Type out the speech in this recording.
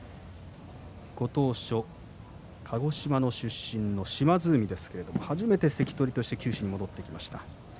ご当所、鹿児島の出身の島津海ですが初めて関取として九州に戻ってきました。